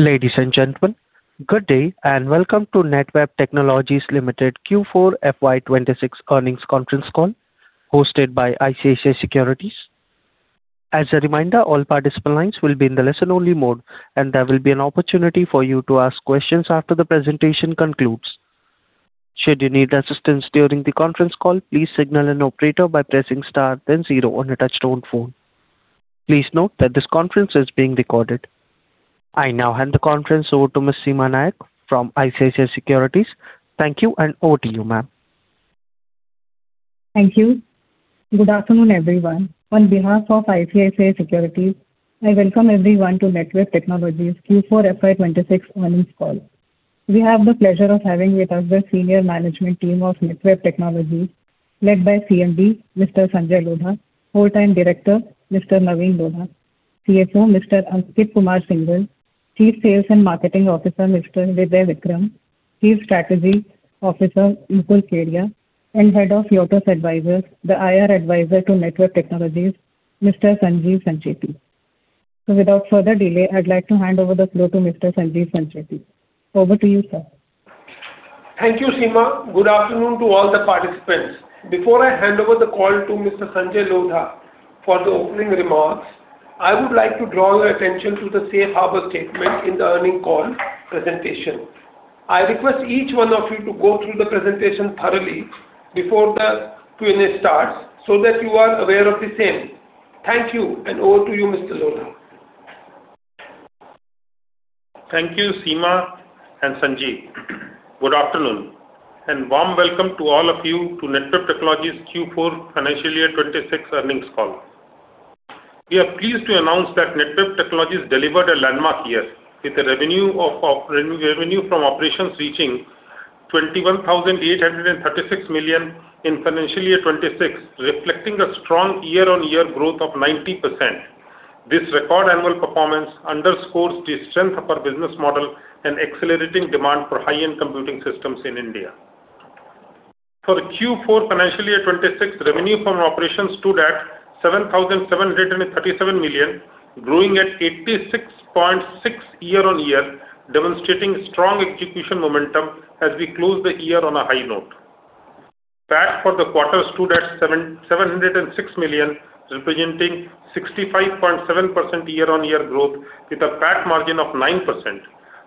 Ladies and gentlemen, good day and welcome to Netweb Technologies Limited Q4 FY 2026 earnings conference call hosted by ICICI Securities. As a reminder, all participant lines will be in the listen only mode, and there will be an opportunity for you to ask questions after the presentation concludes. Should you need assistance during the conference call, please signal an operator by pressing star then zero on a touch-tone phone. Please note that this conference is being recorded. I now hand the conference over to Seema Nayak from ICICI Securities. Thank you. Over to you, ma'am. Thank you. Good afternoon, everyone. On behalf of ICICI Securities, I welcome everyone to Netweb Technologies Q4 FY 2026 earnings call. We have the pleasure of having with us the senior management team of Netweb Technologies led by CMD, Mr. Sanjay Lodha; Whole Time Director, Mr. Navin Lodha; CFO, Mr. Ankit Kumar Singhal; Chief Sales and Marketing Officer, Mr. Hirdey Vikram; Chief Strategy Officer, Mukul Kedia; and Head of Uirtus Advisors, the IR advisor to Netweb Technologies, Mr. Sanjeev Sancheti. Without further delay, I'd like to hand over the floor to Mr. Sanjeev Sancheti. Over to you, sir. Thank you, Seema. Good afternoon to all the participants. Before I hand over the call to Mr. Sanjay Lodha for the opening remarks, I would like to draw your attention to the safe harbor statement in the earnings call presentation. I request each one of you to go through the presentation thoroughly before the Q&A starts so that you are aware of the same. Thank you and over to you, Mr. Lodha. Thank you, Seema Nayak and Sanjeev Sancheti. Good afternoon, and warm welcome to all of you to Netweb Technologies India Q4 FY 2026 earnings call. We are pleased to announce that Netweb Technologies delivered a landmark year with a revenue from operations reaching 21,836 million in FY 2026, reflecting a strong year-on-year growth of 90%. This record annual performance underscores the strength of our business model and accelerating demand for high-end computing systems in India. For Q4 FY 2026, revenue from operations stood at 7,737 million, growing at 86.6% year-on-year, demonstrating strong execution momentum as we close the year on a high note. PAT for the quarter stood at 706 million, representing 65.7% year-on-year growth with a PAT margin of 9%.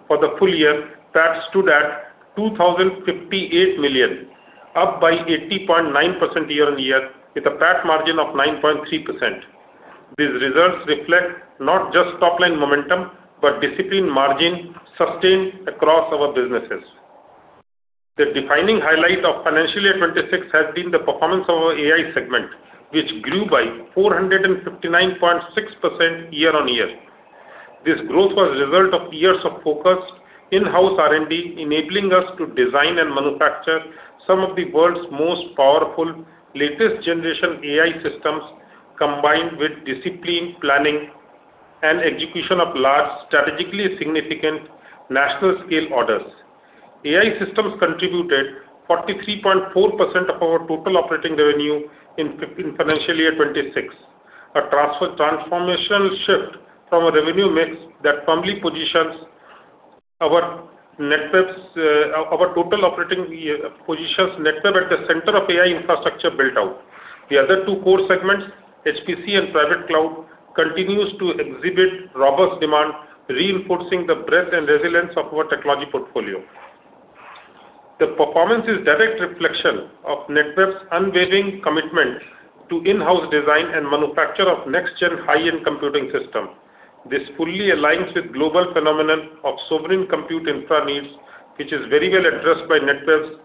For the full year, PAT stood at 2,058 million, up by 80.9% year-on-year with a PAT margin of 9.3%. These results reflect not just top-line momentum but disciplined margin sustained across our businesses. The defining highlight of FY 2026 has been the performance of our AI segment, which grew by 459.6% year-on-year. This growth was a result of years of focused in-house R&D, enabling us to design and manufacture some of the world's most powerful latest generation AI systems, combined with disciplined planning and execution of large, strategically significant national scale orders. AI systems contributed 43.4% of our total operating revenue in FY 2026. A transformational shift from a revenue mix that firmly positions our Netweb's. Our total operating positions Netweb at the center of AI infrastructure build-out. The other two core segments, HPC and Private Cloud, continues to exhibit robust demand, reinforcing the breadth and resilience of our technology portfolio. The performance is direct reflection of Netweb's unwavering commitment to in-house design and manufacture of next-gen high-end computing system. This fully aligns with global phenomenon of sovereign compute infra needs, which is very well addressed by Netweb's...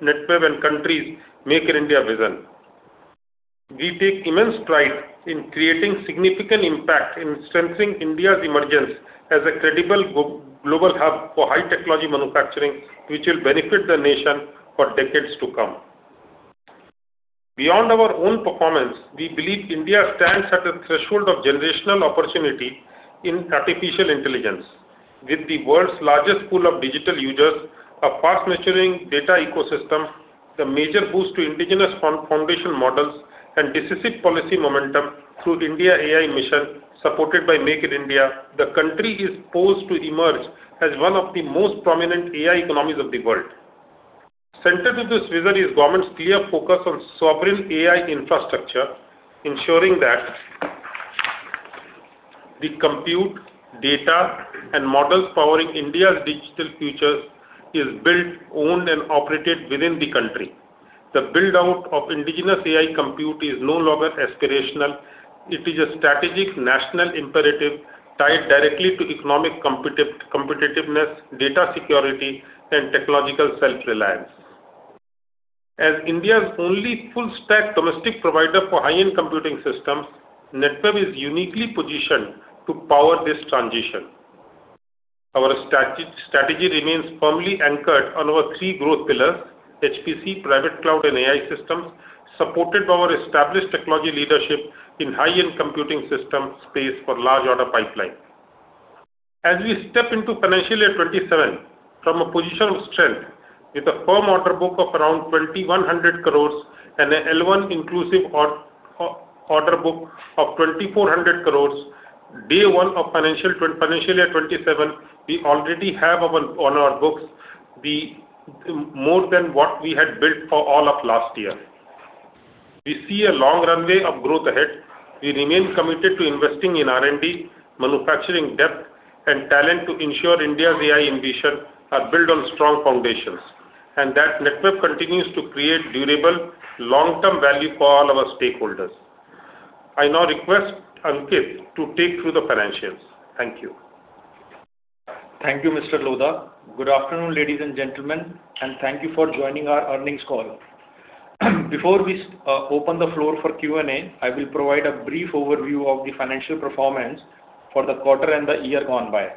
Netweb and country's Make in India vision. We take immense pride in creating significant impact in strengthening India's emergence as a credible global hub for high technology manufacturing, which will benefit the nation for decades to come. Beyond our own performance, we believe India stands at a threshold of generational opportunity in artificial intelligence. With the world's largest pool of digital users, a fast maturing data ecosystem, the major boost to indigenous foundation models and decisive policy momentum through IndiaAI Mission supported by Make in India, the country is poised to emerge as one of the most prominent AI economies of the world. Central to this vision is government's clear focus on sovereign AI infrastructure, ensuring that the compute, data, and models powering India's digital future is built, owned, and operated within the country. The build-out of indigenous AI compute is no longer aspirational. It is a strategic national imperative tied directly to economic competitiveness, data security, and technological self-reliance. As India's only full-stack domestic provider for high-end computing systems, Netweb is uniquely positioned to power this transition. Our strategy remains firmly anchored on our three growth pillars: HPC, private cloud, and AI systems, supported by our established technology leadership in high-end computing system space for large order pipeline. As we step into financial year 2027 from a position of strength. With a firm order book of around 2,100 crore and a L1 inclusive order book of 2,400 crore, day one of financial year 2027, we already have on our books, more than what we had built for all of last year. We see a long runway of growth ahead. We remain committed to investing in R&D, manufacturing depth and talent to ensure India's AI ambition are built on strong foundations, and that Netweb continues to create durable long-term value for all our stakeholders. I now request Ankit to take through the financials. Thank you. Thank you, Mr. Lodha. Good afternoon, ladies and gentlemen, and thank you for joining our earnings call. Before we open the floor for Q&A, I will provide a brief overview of the financial performance for the quarter and the year gone by.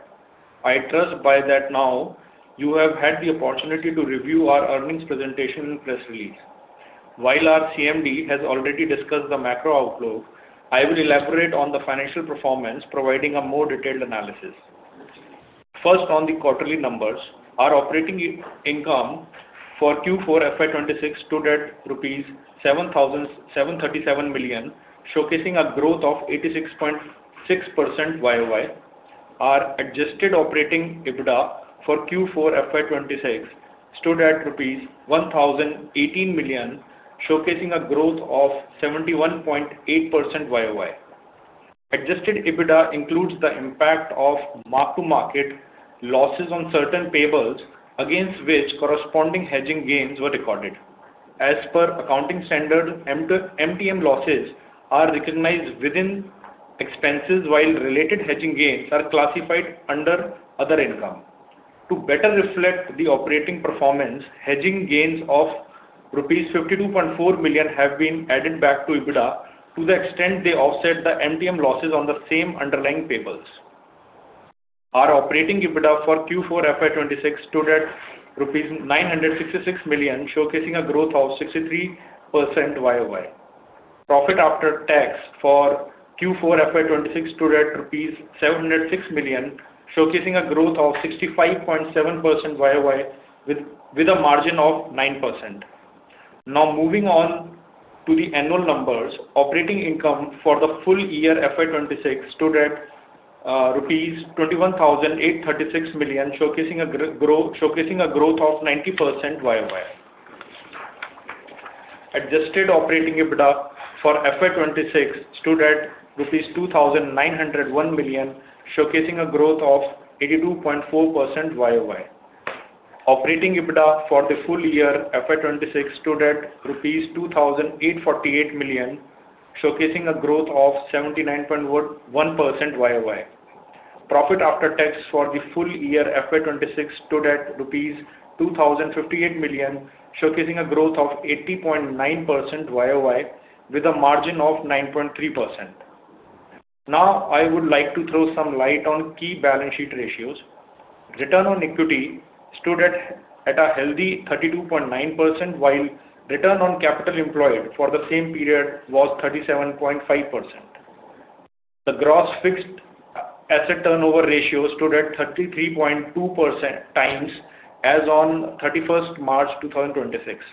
I trust by that now you have had the opportunity to review our earnings presentation and press release. While our CMD has already discussed the macro outlook, I will elaborate on the financial performance, providing a more detailed analysis. First, on the quarterly numbers, our operating income for Q4 FY 2026 stood at rupees 7,737 million, showcasing a growth of 86.6% YoY. Our adjusted operating EBITDA for Q4 FY 2026 stood at rupees 1,018 million, showcasing a growth of 71.8% YoY. Adjusted EBITDA includes the impact of mark-to-market losses on certain payables against which corresponding hedging gains were recorded. As per accounting standard, MTM losses are recognized within expenses while related hedging gains are classified under other income. To better reflect the operating performance, hedging gains of rupees 52.4 million have been added back to EBITDA to the extent they offset the MTM losses on the same underlying payables. Our operating EBITDA for Q4 FY 2026 stood at rupees 966 million, showcasing a growth of 63% YoY. Profit after tax for Q4 FY 2026 stood at INR 706 million, showcasing a growth of 65.7% YoY with a margin of 9%. Moving on to the annual numbers. Operating income for the full year FY 2026 stood at rupees 21,836 million, showcasing a growth of 90% YoY. Adjusted operating EBITDA for FY 2026 stood at rupees 2,901 million, showcasing a growth of 82.4% YoY. Operating EBITDA for the full year FY 2026 stood at rupees 2,848 million, showcasing a growth of 79.11% YoY. Profit after tax for the full year FY 2026 stood at rupees 2,058 million, showcasing a growth of 80.9% YoY with a margin of 9.3%. Now, I would like to throw some light on key balance sheet ratios. Return on equity stood at a healthy 32.9%, while return on capital employed for the same period was 37.5%. The gross fixed asset turnover ratio stood at 33.2x as on 31st March 2026.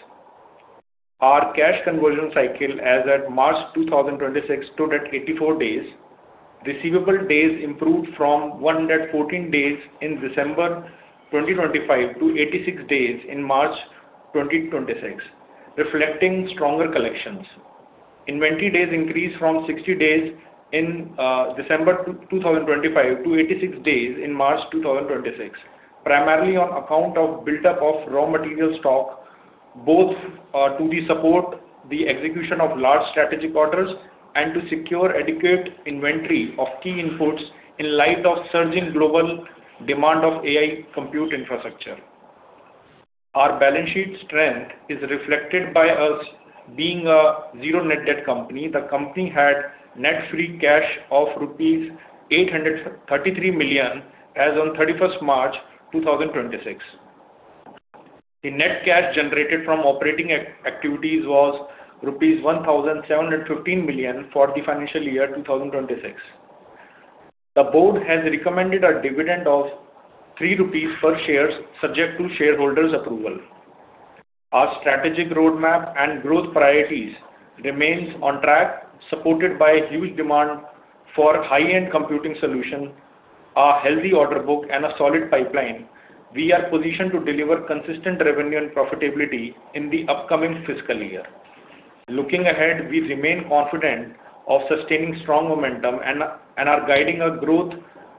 Our cash conversion cycle as at March 2026 stood at 84 days. Receivable days improved from 114 days in December 2025 to 86 days in March 2026, reflecting stronger collections. Inventory days increased from 60 days in December 2025 to 86 days in March 2026, primarily on account of buildup of raw material stock, both to support the execution of large strategic orders and to secure adequate inventory of key inputs in light of surging global demand of AI compute infrastructure. Our balance sheet strength is reflected by us being a zero net debt company. The company had net free cash of rupees 833 million as on 31st March 2026. The net cash generated from operating activities was rupees 1,715 million for the FY 2026. The board has recommended a dividend of 3 rupees per share subject to shareholders' approval. Our strategic roadmap and growth priorities remain on track, supported by huge demand for high-end computing solutions, a healthy order book, and a solid pipeline. We are positioned to deliver consistent revenue and profitability in the upcoming fiscal year. Looking ahead, we remain confident of sustaining strong momentum and are guiding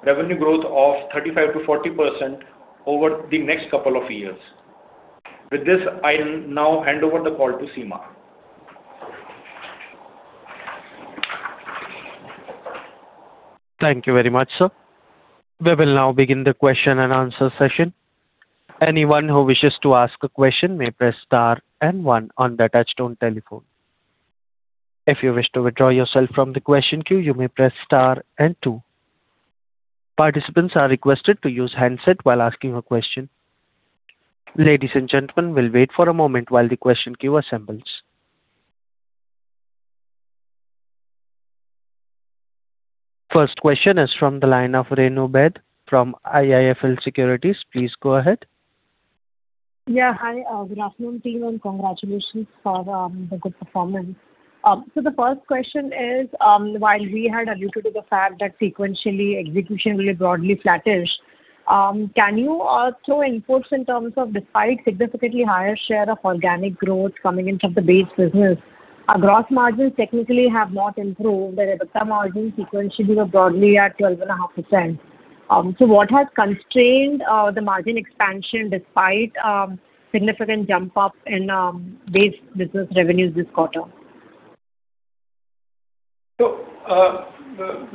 revenue growth of 35%-40% over the next couple of years. With this, I'll now hand over the call to Seema. Thank you very much, sir. We will now begin the question and answer session. First question is from the line of Renu Baid from IIFL Securities. Please go ahead. Yeah. Hi, good afternoon team. Congratulations for the good performance. The first question is, while we had alluded to the fact that sequentially execution will broadly flattish, can you throw inputs in terms of despite significantly higher share of organic growth coming in from the base business, our gross margins technically have not improved, the EBITDA margin sequentially were broadly at 12.5%. What has constrained the margin expansion despite significant jump up in base business revenues this quarter?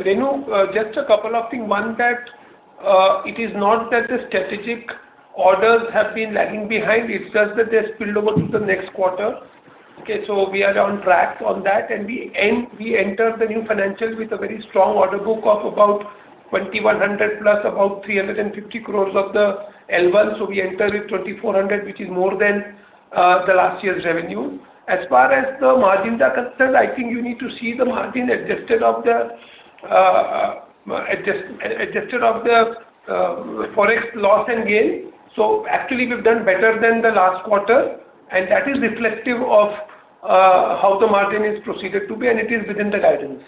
Renu Baid, just a couple of things. One, that, it is not that the strategic orders have been lagging behind, it's just that they have spilled over to the next quarter. Okay, we are on track on that, and we enter the new financials with a very strong order book of about 2,100 crores plus about 350 crores of the L1. We enter with 2,400 crores, which is more than the last year's revenue. As far as the margins are concerned, I think you need to see the margin adjusted of the adjusted of the forex loss and gain. Actually, we've done better than the last quarter, and that is reflective of how the margin is proceeded to be, and it is within the guidance.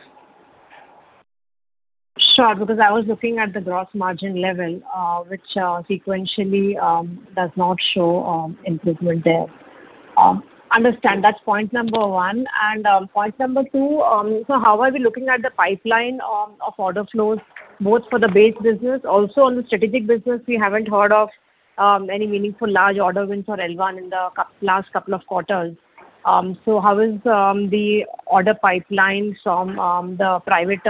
Sure. Because I was looking at the gross margin level, which sequentially does not show improvement there. Understand. That's point number 1. Point number 2, how are we looking at the pipeline of order flows both for the base business, also on the strategic business, we haven't heard of any meaningful large order wins for L1 in the last couple of quarters. How is the order pipeline from the private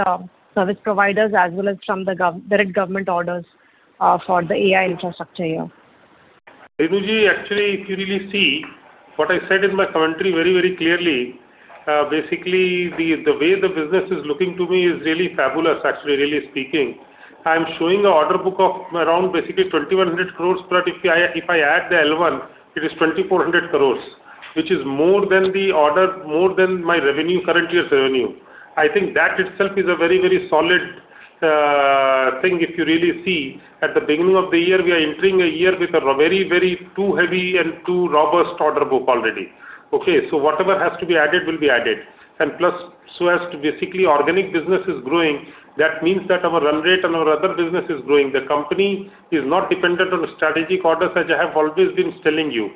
service providers as well as from the direct government orders for the AI infrastructure here? Renu ji, actually, if you really see, what I said in my commentary very clearly, basically the way the business is looking to me is really fabulous, actually, really speaking. I'm showing a order book of around basically 2,100 crore, if I add the L1, it is 2,400 crore, which is more than the order, more than my revenue, current year's revenue. I think that itself is a very solid thing, if you really see. At the beginning of the year, we are entering a year with a very too heavy and too robust order book already. Okay, whatever has to be added will be added. Plus, as to basically organic business is growing, that means that our run rate and our other business is growing. The company is not dependent on strategic orders, as I have always been telling you.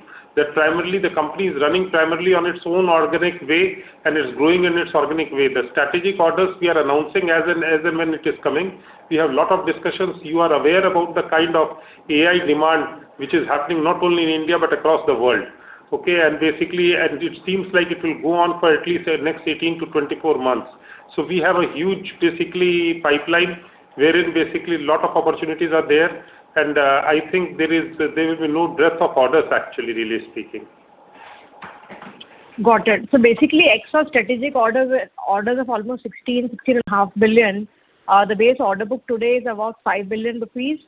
Primarily the company is running primarily on its own organic way and is growing in its organic way. The strategic orders we are announcing as and when it is coming. We have lot of discussions. You are aware about the kind of AI demand which is happening not only in India but across the world. It seems like it will go on for at least next 18 to 24 months. We have a huge pipeline wherein lot of opportunities are there. I think there will be no dearth of orders actually, really speaking. Got it. Basically, ex our strategic orders are orders of almost 16.5 billion. The base order book today is about 5 billion rupees.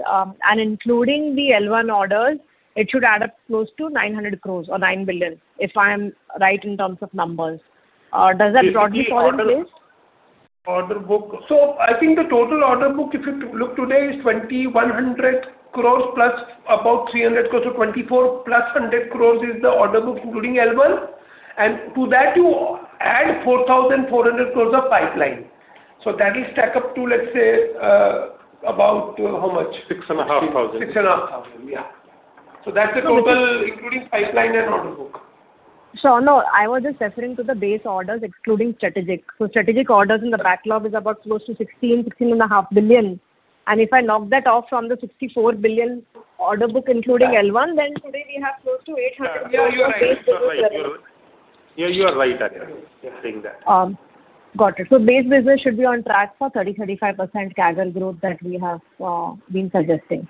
Including the L1 orders, it should add up close to 900 crores or 9 billion, if I am right in terms of numbers. Does that broadly fall in place? Basically order book. I think the total order book, if you to look today, is 2,100 crores + 300 crores. 24 crores+ 100 crores is the order book, including L1. To that you add 4,400 crores of pipeline. That will stack up to, let's say, about how much? Six and a half thousand. Six and a half thousand. Yeah. That's the total including pipeline and order book. Sure. No, I was just referring to the base orders excluding strategic. Strategic orders in the backlog is about close to 16.5 billion. If I knock that off from the 64 billion order book including L1, then today we have close to 800- Yeah, you are right. crores of base business revenue. Yeah, you are right, actually. Just saying that. Got it. Base business should be on track for 30%-35% CAGR growth that we have been suggesting.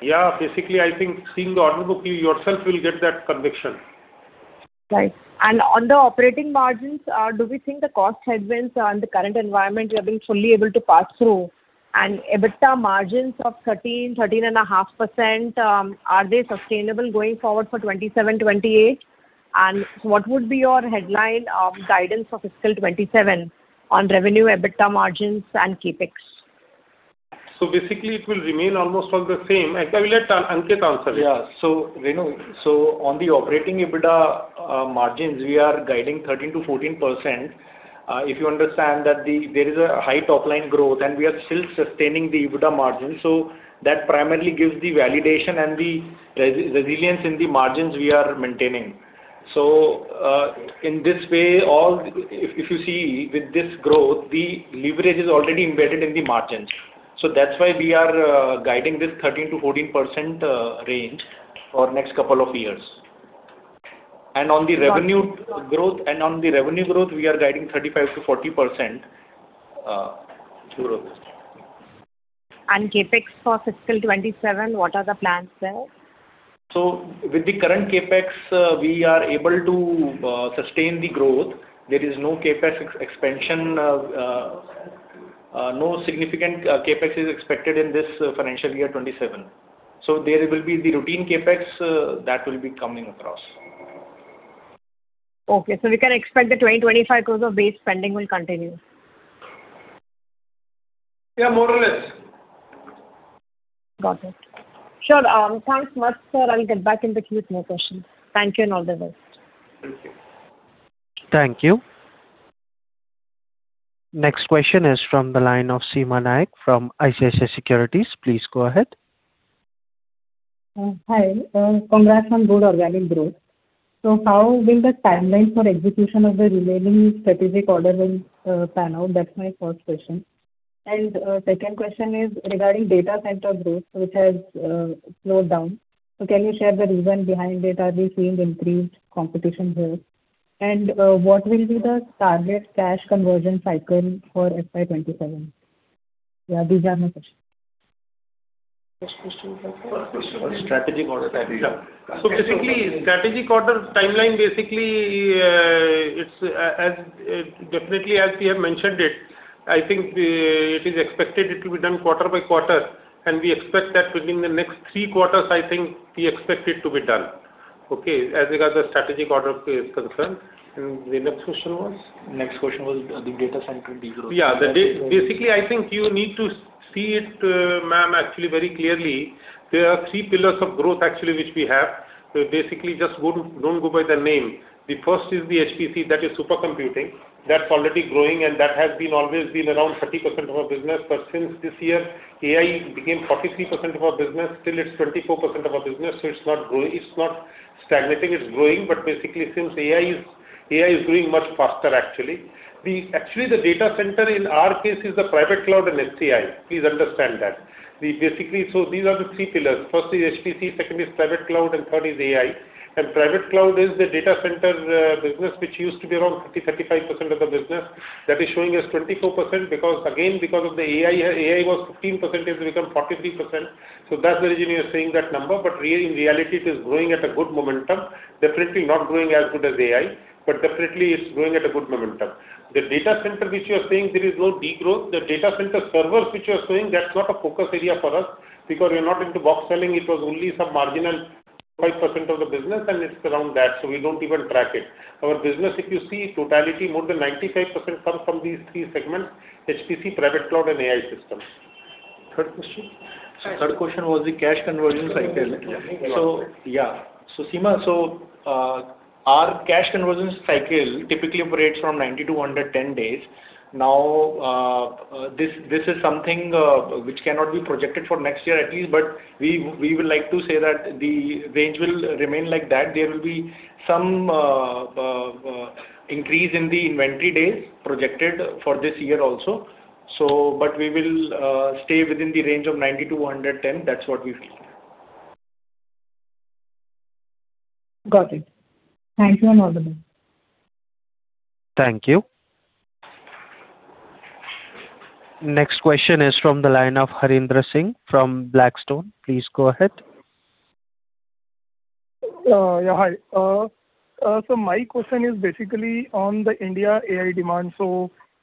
Yeah. Basically, I think seeing the order book, you yourself will get that conviction. Right. On the operating margins, do we think the cost headwinds on the current environment we have been fully able to pass through? EBITDA margins of 13.5% are they sustainable going forward for 2027, 2028? What would be your headline guidance for fiscal 2027 on revenue EBITDA margins and CapEx? Basically it will remain almost all the same. Actually, I will let Ankit answer this. Renu, on the operating EBITDA margins, we are guiding 13%-14%. If you understand that there is a high top line growth and we are still sustaining the EBITDA margin. That primarily gives the validation and the resilience in the margins we are maintaining. In this way, if you see with this growth, the leverage is already embedded in the margins. That's why we are guiding this 13%-14% range for next couple of years. On the revenue growth- Got it. On the revenue growth, we are guiding 35%-40% growth. CapEx for fiscal 2027, what are the plans there? With the current CapEx, we are able to sustain the growth. There is no CapEx ex-expansion, no significant CapEx is expected in this financial year 2027. There will be the routine CapEx that will be coming across. Okay. We can expect the 20 crores-25 crores of base spending will continue? Yeah, more or less. Got it. Sure. Thanks much, sir. I'll get back in the queue with more questions. Thank you, and all the best. Thank you. Thank you. Next question is from the line of Seema Nayak from ICICI Securities. Please go ahead. Hi. Congrats on good organic growth. How will the timeline for execution of the remaining strategic order will pan out? That's my first question. Second question is regarding data center growth, which has slowed down. Can you share the reason behind it? Are we seeing increased competition there? What will be the target cash conversion cycle for FY 2027? These are my questions. Which question was that? First question was strategic order. Yeah. Basically, strategic order timeline, basically, it's, as, definitely as we have mentioned it, I think, it is expected it to be done quarter by quarter, and we expect that within the next three quarters, I think we expect it to be done. Okay. As regards the strategic order is concerned. The next question was? Next question was, the data center de-growth. I think you need to see it, ma'am, actually very clearly. There are three pillars of growth actually which we have. Just don't go by the name. The 1st is the HPC, that is super computing. That's already growing, that has been always been around 30% of our business. Since this year, AI became 43% of our business. Still it's 24% of our business, it's not growing. It's not stagnating, it's growing. Since AI is growing much faster actually. Actually the data center in our case is the private cloud and HCI. Please understand that. These are the three pillars. 1st is HPC, 2nd is private cloud, 3rd is AI. Private cloud is the data center business which used to be around 30%-35% of the business. That is showing as 24% because again, because of the AI. AI was 15%, it has become 43%. That's the reason you are seeing that number. In reality it is growing at a good momentum. Definitely not growing as good as AI, but definitely it's growing at a good momentum. The data center which you are saying there is no de-growth, the data center servers which you are saying, that's not a focus area for us because we are not into box selling. It was only some marginal 5% of the business, and it's around that, so we don't even track it. Our business, if you see totality, more than 95% comes from these three segments: HPC, private cloud, and AI systems. Third question? Sorry. Third question was the cash conversion cycle. Seema, our cash conversion cycle typically operates from 90 to 110 days. This is something which cannot be projected for next year at least, but we would like to say that the range will remain like that. There will be some increase in the inventory days projected for this year also. We will stay within the range of 90 to 110. That's what we feel. Got it. Thank you, and all the best. Thank you. Next question is from the line of Harindra Singh from Blackstone. Please go ahead. Yeah, hi. My question is basically on the India AI demand.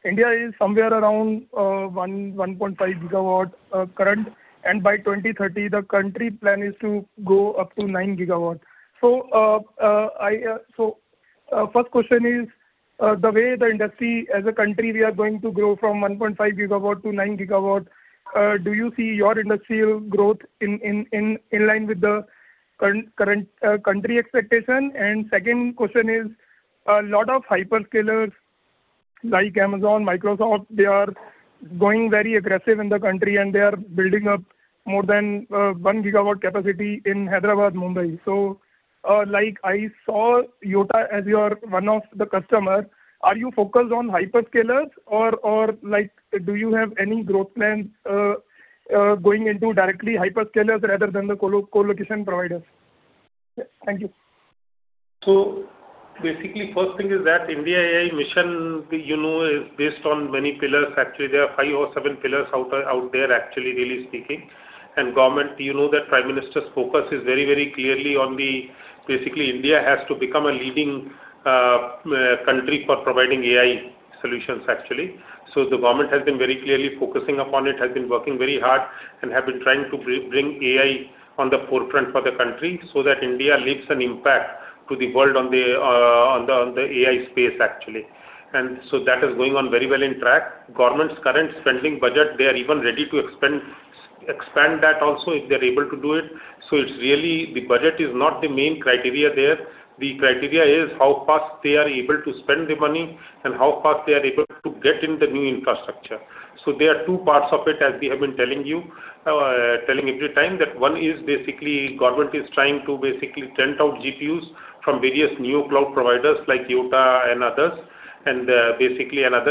India is somewhere around 1.5 GW current, and by 2030 the country plan is to go up to 9 GW. First question is, the way the industry as a country we are going to grow from 1.5 GW to 9 GW, do you see your industrial growth in line with the current country expectation? Second question is, a lot of hyperscalers like Amazon, Microsoft, they are going very aggressive in the country, and they are building up more than 1 GW capacity in Hyderabad, Mumbai. Like I saw Yotta as your one of the customer. Are you focused on hyperscalers or, like, do you have any growth plans going into directly hyperscalers rather than the colocation providers? Thank you. Basically, first thing is that IndiaAI Mission, you know, is based on many pillars. Actually, there are five or seven pillars out there actually, really speaking. Government, you know that Prime Minister's focus is very, very clearly on the. Basically, India has to become a leading country for providing AI solutions actually. The government has been very clearly focusing upon it, has been working very hard, and have been trying to bring AI on the forefront for the country so that India leaves an impact to the world on the AI space, actually. That is going on very well in track. Government's current spending budget, they are even ready to expand that also if they're able to do it. It's really the budget is not the main criteria there. The criteria is how fast they are able to spend the money and how fast they are able to get in the new infrastructure. There are two parts of it, as we have been telling you, telling every time, that one is basically government is trying to basically rent out GPUs from various new cloud providers like Yotta and others. Another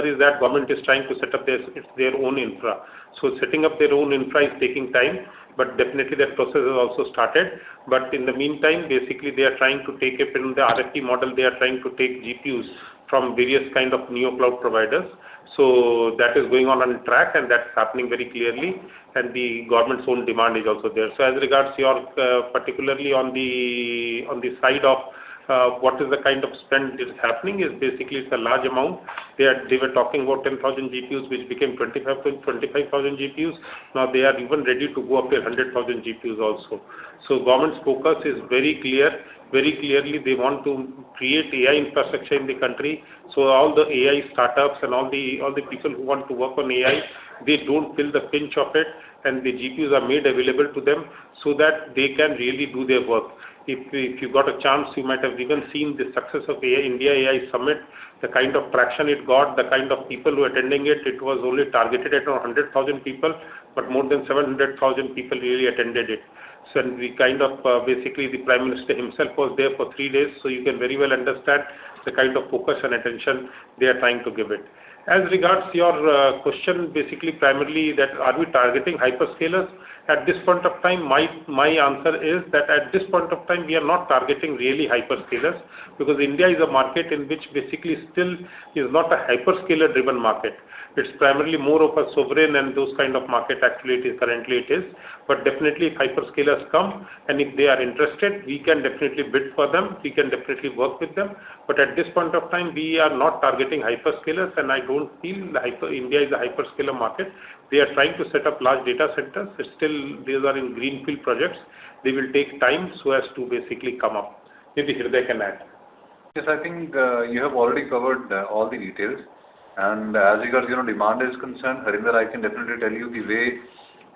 is that government is trying to set up their own infra. Setting up their own infra is taking time, but definitely that process has also started. In the meantime, basically they are trying to take it in the RFB model. They are trying to take GPUs from various kind of new cloud providers. That is going on on track and that's happening very clearly. The government's own demand is also there. As regards your, particularly on the side of, what is the kind of spend is happening is basically it's a large amount. They were talking about 10,000 GPUs, which became 25,000 GPUs. Now they are even ready to go up to 100,000 GPUs also. Government's focus is very clear. Very clearly, they want to create AI infrastructure in the country, so all the AI startups and all the, all the people who want to work on AI, they don't feel the pinch of it, and the GPUs are made available to them so that they can really do their work. If you got a chance, you might have even seen the success of India AI Summit, the kind of traction it got, the kind of people who attending it. It was only targeted at 100,000 people, but more than 700,000 people really attended it. We kind of, basically the Prime Minister himself was there for three days, you can very well understand the kind of focus and attention they are trying to give it. As regards your question, basically, primarily that are we targeting hyperscalers? At this point of time, my answer is that at this point of time, we are not targeting really hyperscalers because India is a market in which basically still is not a hyperscaler-driven market. It's primarily more of a sovereign and those kind of market actually it is currently it is. Definitely if hyperscalers come, and if they are interested, we can definitely bid for them. We can definitely work with them. At this point of time, we are not targeting hyperscalers, and I don't feel like India is a hyperscaler market. They are trying to set up large data centers. It's still these are in greenfield projects. They will take time so as to basically come up. Maybe Hirdey can add. Yes, I think, you have already covered, all the details. As regards, you know, demand is concerned, Harindra, I can definitely tell you the way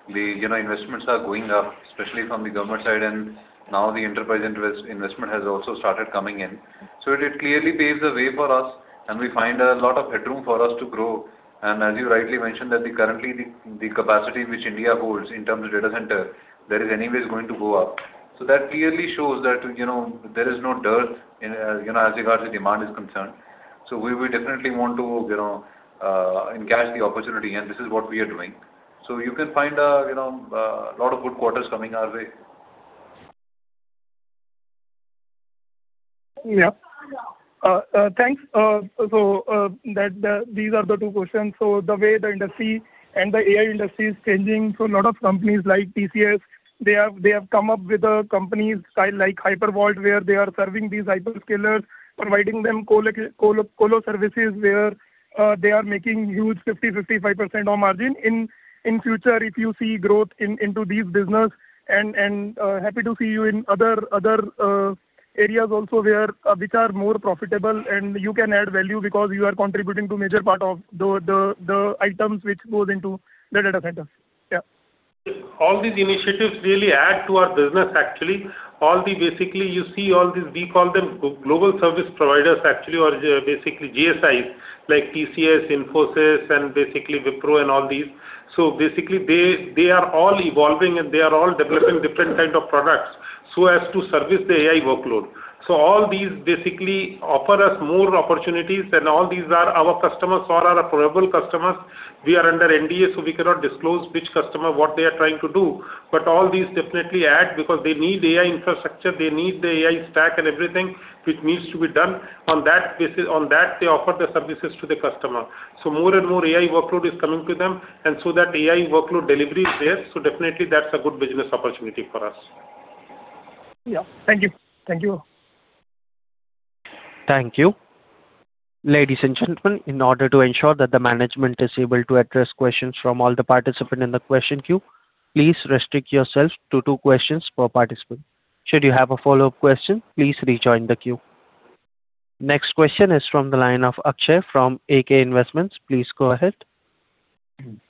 the, you know, investments are going up, especially from the government side and now the enterprise investment has also started coming in. It, it clearly paves the way for us, and we find a lot of headroom for us to grow. As you rightly mentioned that the currently the capacity which India holds in terms of data center, that is anyways going to go up. That clearly shows that, you know, there is no dearth in, you know, as regards the demand is concerned. We, we definitely want to, you know, engage the opportunity, and this is what we are doing. You can find, you know, a lot of good quarters coming our way. Yeah. Thanks. These are the two questions. The way the industry and the AI industry is changing, a lot of companies like TCS, they have come up with a company style like HyperVault, where they are serving these hyperscalers, providing them colo services, where they are making huge 50%, 55% on margin. In future, if you see growth into these business and happy to see you in other areas also where which are more profitable and you can add value because you are contributing to major part of the items which goes into the data centers. All these initiatives really add to our business actually. All the you see all these, we call them Global System Integrators actually or GSIs, like TCS, Infosys and Wipro and all these. They are all evolving, and they are all developing different kind of products so as to service the AI workload. All these offer us more opportunities, and all these are our customers or our probable customers. We are under NDA, so we cannot disclose which customer, what they are trying to do. All these definitely add because they need AI infrastructure, they need the AI stack and everything which needs to be done. On that basis, on that they offer the services to the customer. More and more AI workload is coming to them, and so that AI workload delivery is there, so definitely that's a good business opportunity for us. Yeah. Thank you. Thank you. Thank you. Ladies and gentlemen, in order to ensure that the management is able to address questions from all the participants in the question queue, please restrict yourself to two questions per participant. Should you have a follow-up question, please rejoin the queue. Next question is from the line of Akshay from AK Investment. Please go ahead.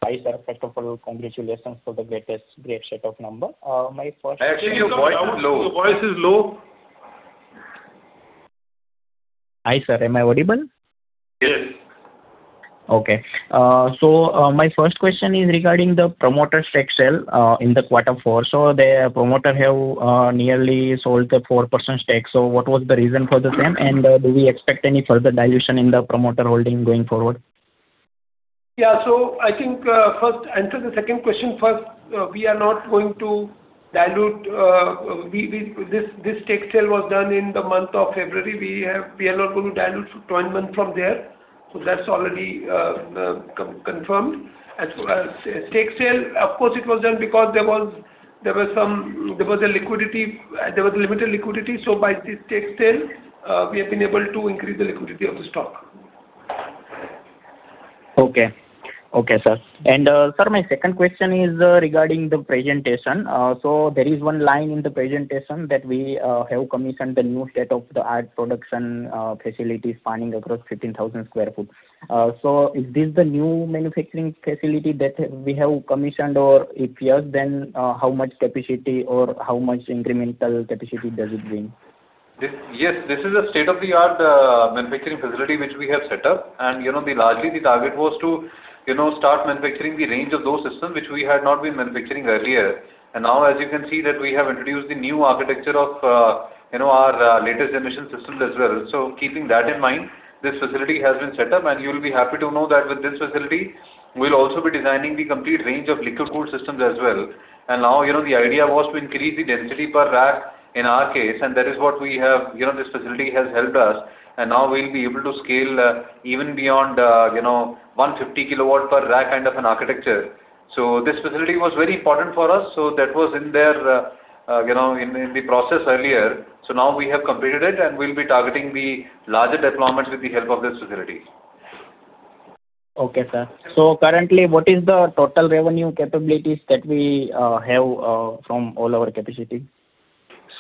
Hi, sir. First of all, congratulations for the greatest great set of number. Actually, your voice is low. Your voice is low. Hi, sir. Am I audible? Yes. Okay. My first question is regarding the promoter stake sale in the quarter four. The promoter have nearly sold the 4% stake. What was the reason for the same? Do we expect any further dilution in the promoter holding going forward? I think, first answer the second question first. We are not going to dilute. This stake sale was done in the month of February. We are not going to dilute for 12 month from there. That's already confirmed. As far as stake sale, of course, it was done because there was some, there was a liquidity, there was limited liquidity. By this stake sale, we have been able to increase the liquidity of the stock. Okay. Okay, sir. Sir, my second question is regarding the presentation. There is one line in the presentation that we have commissioned the new state-of-the-art production facilities spanning across 15,000 sq ft. Is this the new manufacturing facility that we have commissioned? If yes, then how much capacity or how much incremental capacity does it bring? Yes, this is a state-of-the-art manufacturing facility which we have set up. You know, the largely the target was to, you know, start manufacturing the range of those systems which we had not been manufacturing earlier. Now, as you can see that we have introduced the new architecture of, you know, our latest emission systems as well. Keeping that in mind, this facility has been set up, and you'll be happy to know that with this facility we'll also be designing the complete range of liquid cooled systems as well. Now, you know, the idea was to increase the density per rack in our case, and that is what we have. You know, this facility has helped us, and now we'll be able to scale even beyond, you know, 150 kW per rack kind of an architecture. This facility was very important for us. That was in there, you know, in the process earlier. Now we have completed it, and we'll be targeting the larger deployments with the help of this facility. Okay, sir. Currently, what is the total revenue capabilities that we have from all our capacity?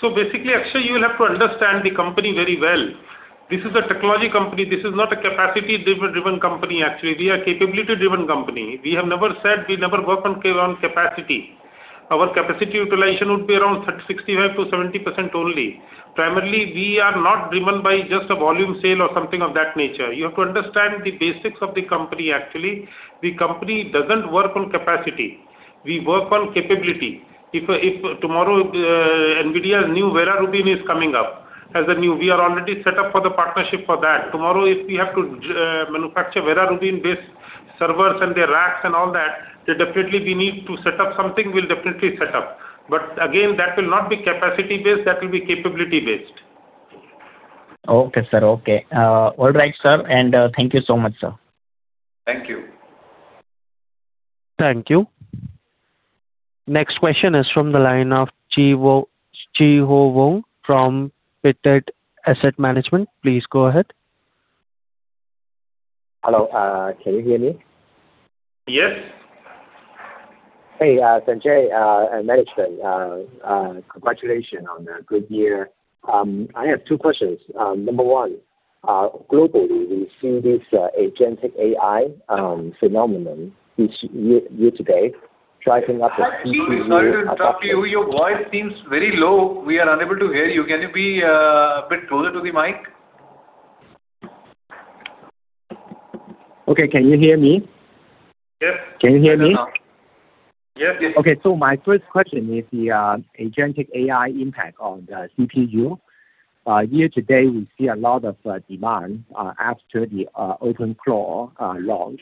Basically, Akshay, you will have to understand the company very well. This is a technology company. This is not a capacity-driven company, actually. We are a capability-driven company. We have never said we never work on capacity. Our capacity utilization would be around 65%-70% only. Primarily, we are not driven by just a volume sale or something of that nature. You have to understand the basics of the company, actually. The company doesn't work on capacity. We work on capability. If, if tomorrow, NVIDIA's new Vera Rubin is coming up as a new. We are already set up for the partnership for that. Tomorrow, if we have to manufacture Vera Rubin-based servers and their racks and all that, then definitely we need to set up something, we'll definitely set up. Again, that will not be capacity-based. That will be capability-based. Okay, sir. Okay. All right, sir. Thank you so much, sir. Thank you. Thank you. Next question is from the line of Chi Ho Wong from Pictet Asset Management. Please go ahead. Hello, can you hear me? Yes. Hey, Sanjay, and management, congratulations on a good year. I have two questions. Number 1, globally, we've seen this agentic AI phenomenon, which year to date, driving up the CPU- Sorry to interrupt you. Your voice seems very low. We are unable to hear you. Can you be a bit closer to the mic? Okay. Can you hear me? Yes. Can you hear me? Yes. Yes. Okay. My first question is the agentic AI impact on the CPU. Year to date, we see a lot of demand after the OpenClaw launch,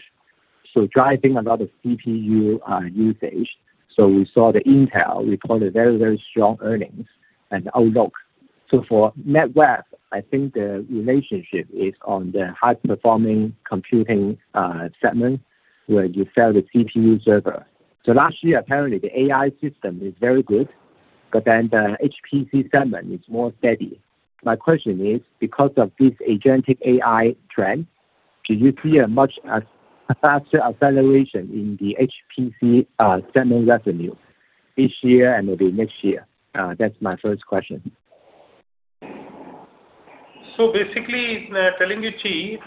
so driving a lot of CPU usage. We saw the Intel report a very strong earnings and outlook. For Netweb, I think the relationship is on the high-performing computing segment where you sell the CPU server. Last year, apparently the AI system is very good, but then the HPC segment is more steady. My question is, because of this agentic AI trend, do you see a much faster acceleration in the HPC segment revenue this year and maybe next year? That's my first question. Basically, telling you, Qi,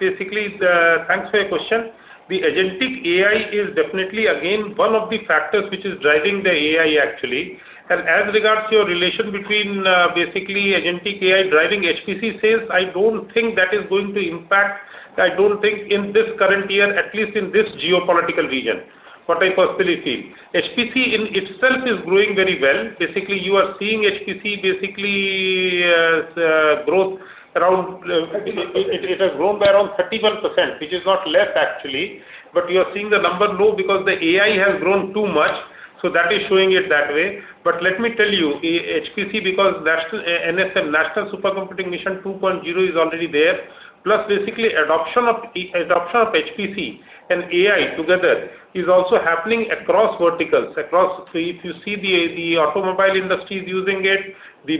thanks for your question. The agentic AI is definitely again one of the factors which is driving the AI actually. As regards to your relation between basically agentic AI driving HPC sales, I don't think that is going to impact in this current year, at least in this geopolitical region. What I personally feel, HPC in itself is growing very well. Basically, you are seeing HPC basically as growth around- 30%. It has grown by around 31%, which is not less actually. You are seeing the number low because the AI has grown too much, so that is showing it that way. Let me tell you, HPC because NSM, National Supercomputing Mission 2.0 is already there. Basically adoption of HPC and AI together is also happening across verticals, across. If you see the automobile industry is using it. There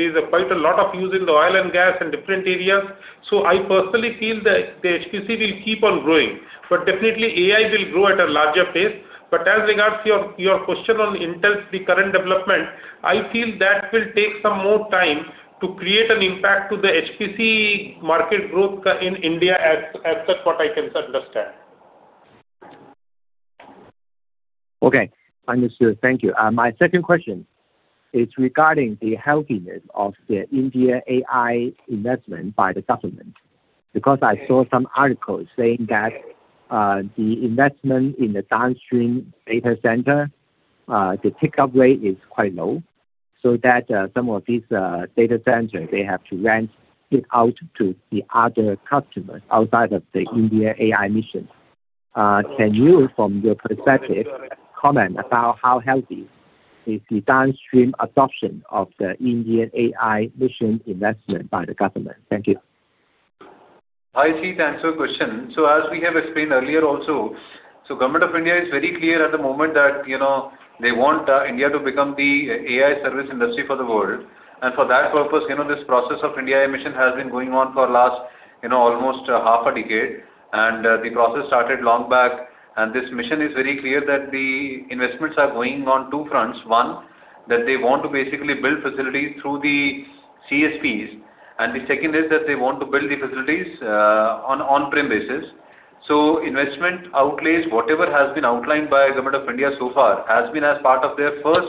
is quite a lot of use in the oil and gas and different areas. I personally feel that the HPC will keep on growing, but definitely AI will grow at a larger pace. As regards to your question on Intel's current development, I feel that will take some more time to create an impact to the HPC market growth in India as that's what I can understand. Okay. Understood. Thank you. My second question is regarding the healthiness of the IndiaAI Mission investment by the government. I saw some articles saying that the investment in the downstream data center, the take-up rate is quite low, so that some of these data centers, they have to rent it out to the other customers outside of the IndiaAI Mission. Can you, from your perspective, comment about how healthy is the downstream adoption of the IndiaAI Mission investment by the government? Thank you. Hi, Qi. To answer your question. As we have explained earlier also, Government of India is very clear at the moment that, you know, they want India to become the AI service industry for the world. For that purpose, you know, this process of IndiaAI Mission has been going on for last, you know, almost half a decade. The process started long back. This mission is very clear that the investments are going on two fronts. One, that they want to basically build facilities through the CSPs. The second is that they want to build the facilities on on-prem basis. Investment outlays, whatever has been outlined by Government of India so far, has been as part of their first,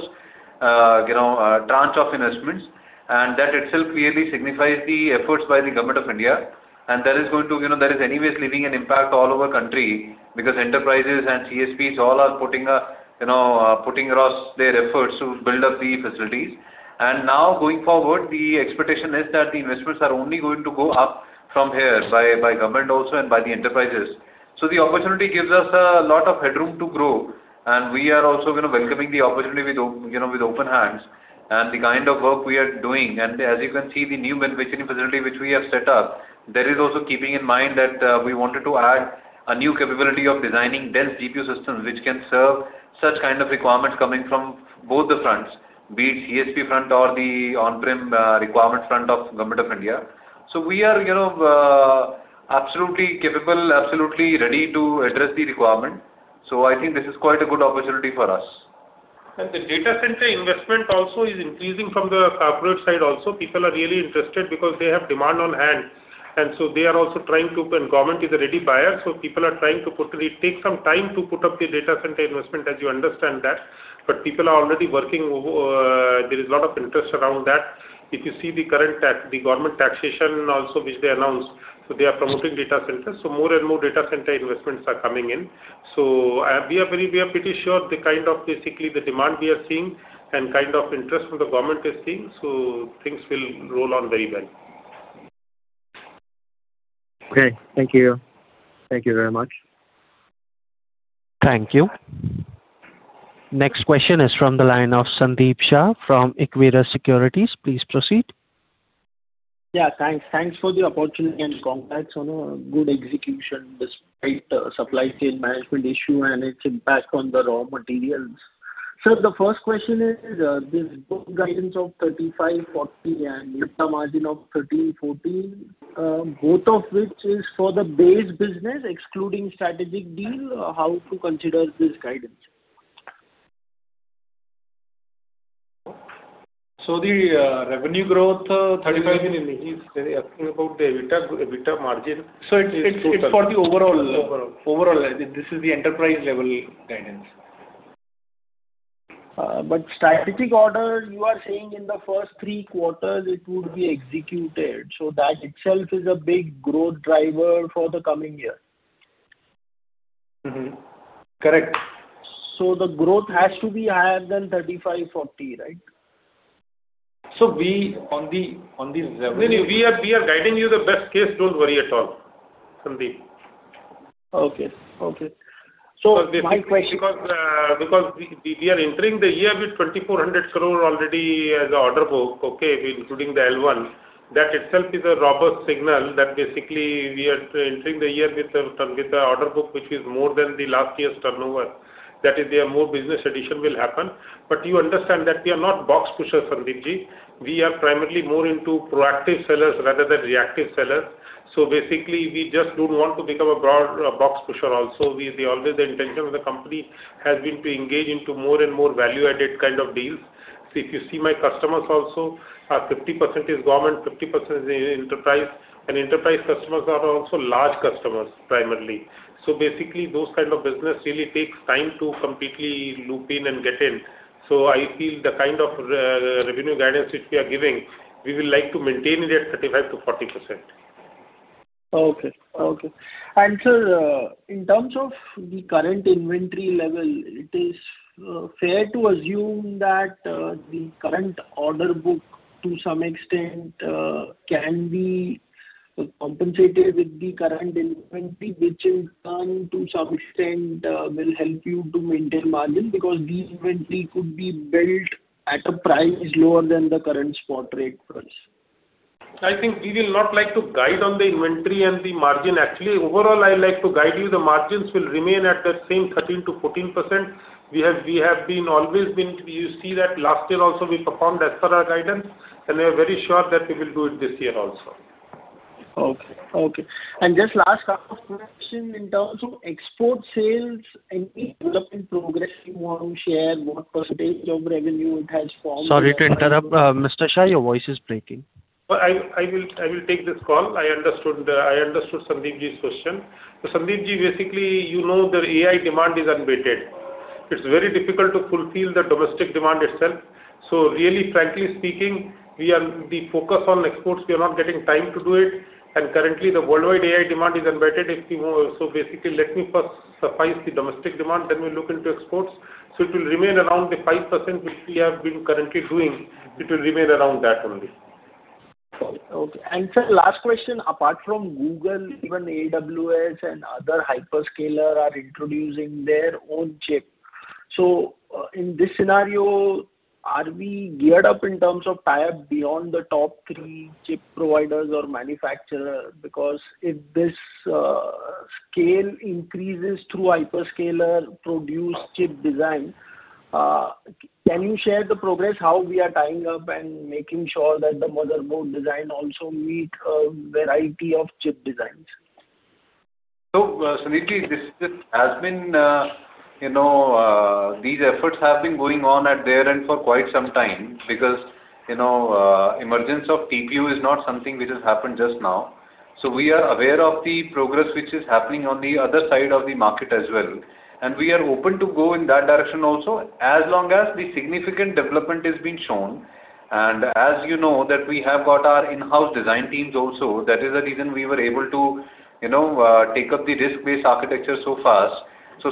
you know, tranche of investments. That itself clearly signifies the efforts by the Government of India. That is going to, you know, that is anyways leaving an impact all over country because enterprises and CSPs all are putting, you know, putting across their efforts to build up the facilities. Now going forward, the expectation is that the investments are only going to go up from here by government also and by the enterprises. The opportunity gives us a lot of headroom to grow, and we are also, you know, welcoming the opportunity with, you know, with open hands. The kind of work we are doing, and as you can see, the new manufacturing facility which we have set up, that is also keeping in mind that we wanted to add a new capability of designing dense GPU systems which can serve such kind of requirements coming from both the fronts, be it CSP front or the on-prem requirement front of Government of India. We are, you know, absolutely capable, absolutely ready to address the requirement. I think this is quite a good opportunity for us. The data center investment also is increasing from the corporate side also. People are really interested because they have demand on hand. Government is a ready buyer, so people are trying to put it. It takes some time to put up the data center investment, as you understand that. People are already working, there is a lot of interest around that. If you see the current tax, the government taxation also which they announced, so they are promoting data centers. More and more data center investments are coming in. We are pretty sure the kind of basically the demand we are seeing and kind of interest from the government is seeing, so things will roll on very well. Okay. Thank you. Thank you very much. Thank you. Next question is from the line of Sandeep Shah from Equirus Securities. Please proceed. Yeah, thanks. Thanks for the opportunity and congrats on a good execution despite the supply chain management issue and its impact on the raw materials. Sir, the first question is, this guidance of 35%-40% and EBITDA margin of 13%-14%, both of which is for the base business excluding strategic deal, how to consider this guidance? The revenue growth, 35%. Excuse me. He's asking about the EBITDA margin. It's for the overall. Overall. Overall. This is the enterprise level guidance. Strategic orders, you are saying in the first three quarters it would be executed. That itself is a big growth driver for the coming year. Correct. The growth has to be higher than 35%-40%, right? we on the revenue- No, no. We are guiding you the best case. Don't worry at all, Sandeep. Okay, okay. My question. We are entering the year with 2,400 crore already as an order book, including the L1. That itself is a robust signal that we are entering the year with an order book which is more than the last year's turnover. That is, there are more business addition will happen. You understand that we are not box pushers, Sandeepji. We are primarily more into proactive sellers rather than reactive sellers. We just don't want to become a box pusher also. Always the intention of the company has been to engage into more and more value-added kind of deals. If you see my customers also, 50% is government, 50% is enterprise. Enterprise customers are also large customers primarily. Basically those kind of business really takes time to completely loop in and get in. I feel the kind of revenue guidance which we are giving, we will like to maintain it at 35%-40%. Okay, okay. Sir, in terms of the current inventory level, it is fair to assume that the current order book to some extent can be compensated with the current inventory, which in turn to some extent will help you to maintain margin because the inventory could be built at a price lower than the current spot rate price. I think we will not like to guide on the inventory and the margin. Actually, overall, I like to guide you the margins will remain at the same 13%-14%. We have always been, you see that last year also we performed as per our guidance, and we are very sure that we will do it this year also. Okay. Just last question in terms of export sales, any development progress you want to share? What percentage of revenue it has formed? Sorry to interrupt. Mr. Shah, your voice is breaking. I will take this call. I understood Sandeepji's question. Sandeepji, basically, you know the AI demand is unabated. It's very difficult to fulfill the domestic demand itself. Really frankly speaking, we focus on exports. We are not getting time to do it. Currently the worldwide AI demand is unabated. Basically, let me first suffice the domestic demand, then we look into exports. It will remain around the 5% which we have been currently doing. It will remain around that only. Okay. Sir, last question. Apart from Google, even AWS and other hyperscaler are introducing their own chip. In this scenario, are we geared up in terms of tie-up beyond the top three chip providers or manufacturer? Because if this scale increases through hyperscaler produced chip design, can you share the progress how we are tying up and making sure that the motherboard design also meet a variety of chip designs? Sandeepji, this has been, you know, these efforts have been going on at their end for quite some time because, you know, emergence of TPU is not something which has happened just now. We are aware of the progress which is happening on the other side of the market as well. We are open to go in that direction also, as long as the significant development is being shown. As you know that we have got our in-house design teams also. That is the reason we were able to, you know, take up the RISC-based architecture so fast.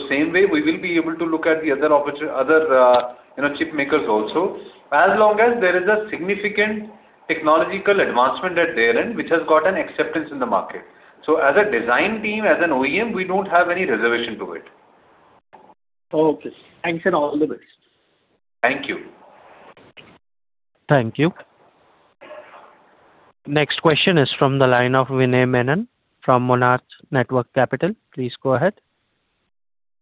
Same way, we will be able to look at the other, you know, chip makers also, as long as there is a significant technological advancement at their end which has got an acceptance in the market. As a design team, as an OEM, we don't have any reservation to it. Okay. Thanks and all the best. Thank you. Thank you. Next question is from the line of Vinay Menon from Monarch Networth Capital. Please go ahead.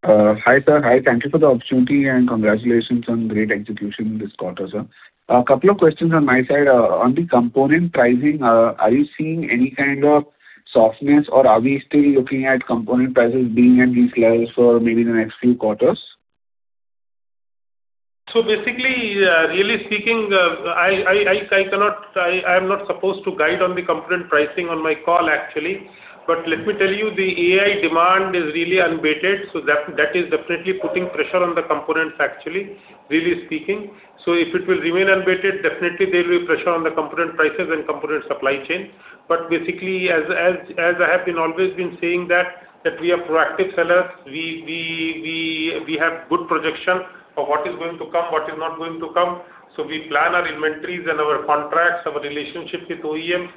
Hi, sir. Hi, thank you for the opportunity, and congratulations on great execution this quarter, sir. A couple of questions on my side. On the component pricing, are you seeing any kind of softness or are we still looking at component prices being at these levels for maybe the next few quarters? Really speaking, I'm not supposed to guide on the component pricing on my call actually. Let me tell you, the AI demand is really unabated, that is definitely putting pressure on the components actually, really speaking. If it will remain unabated, definitely there will be pressure on the component prices and component supply chain. As I have always been saying that we are proactive sellers. We have good projection of what is going to come, what is not going to come. We plan our inventories and our contracts, our relationship with OEMs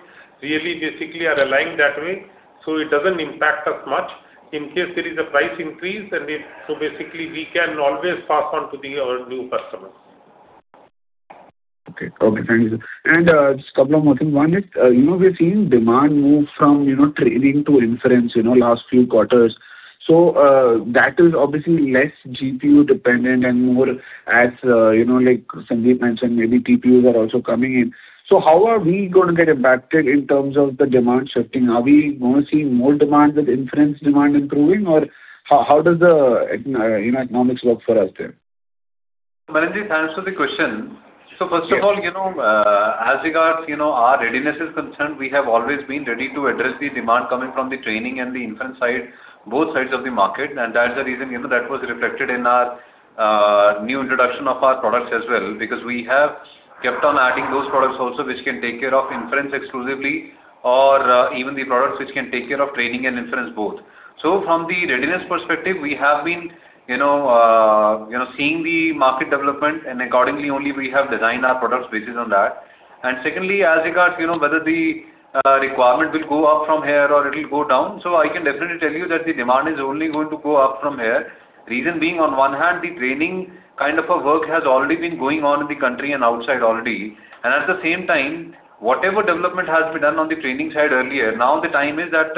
really basically are aligned that way, it doesn't impact us much. In case there is a price increase we can always pass on to the, our new customers. Okay, thank you, sir. Just a couple of more things. One is, you know, we are seeing demand move from, you know, training to inference, you know, last few quarters. That is obviously less GPU dependent and more as, you know, like Sandeep mentioned, maybe TPUs are also coming in. How are we gonna get impacted in terms of the demand shifting? Are we gonna see more demand with inference demand improving, or how does the economics work for us there? Menon, thanks for the question. First of all, you know, as regards, you know, our readiness is concerned, we have always been ready to address the demand coming from the training and the inference side, both sides of the market. That's the reason, you know, that was reflected in our new introduction of our products as well, because we have kept on adding those products also which can take care of inference exclusively or even the products which can take care of training and inference both. From the readiness perspective, we have been, you know, you know, seeing the market development and accordingly only we have designed our products basis on that. Secondly, as regards, you know, whether the requirement will go up from here or it'll go down, I can definitely tell you that the demand is only going to go up from here. Reason being, on one hand, the training kind of a work has already been going on in the country and outside already. At the same time, whatever development has been done on the training side earlier, now the time is that,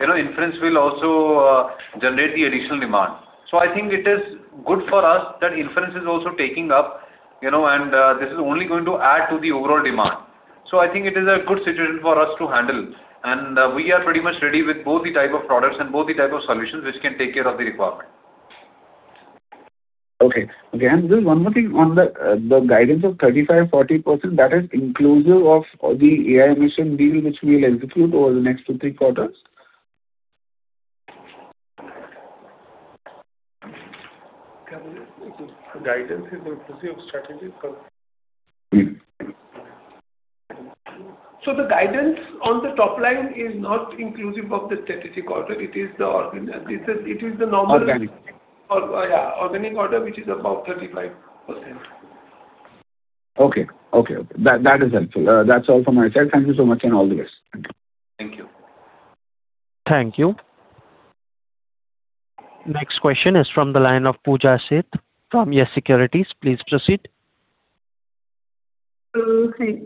you know, inference will also generate the additional demand. I think it is good for us that inference is also taking up, you know, this is only going to add to the overall demand. I think it is a good situation for us to handle. We are pretty much ready with both the type of products and both the type of solutions which can take care of the requirement. Okay. Okay, just one more thing. On the guidance of 35%-40% that is inclusive of the IndiaAI Mission deal which we will execute over the next 2-3 quarters? Guidance is inclusive of strategic. The guidance on the top line is not inclusive of the strategic order. It is the normal. Organic. Yeah, organic order, which is about 35%. Okay. Okay. That is helpful. That's all from my side. Thank you so much and all the best. Thank you. Thank you. Thank you. Next question is from the line of Pooja Seth from YES SECURITIES. Please proceed. Hi.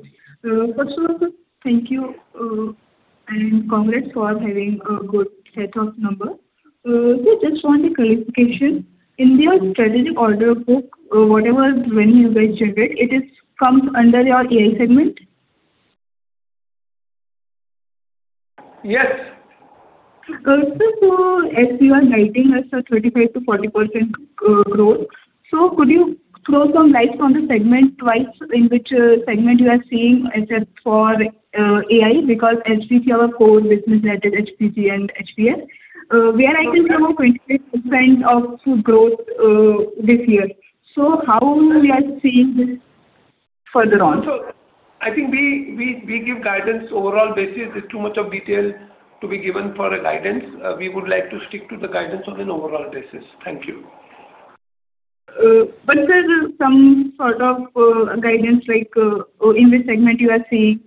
First of all, sir, thank you, and congrats for having a good set of numbers. Sir, I just want a clarification. In the strategic order book, whatever when you guys checked it comes under your AI segment? Yes. Sir, as you are guiding us a 35%-40% growth, could you throw some light on the segment wise in which segment you are seeing except for AI, because HPC our core business that is HPC and HPS? We are expecting some more 20% of growth this year. How we are seeing this further on? I think we give guidance overall basis. It's too much of detail to be given for a guidance. We would like to stick to the guidance on an overall basis. Thank you. Sir, some sort of guidance like, in which segment you are seeing?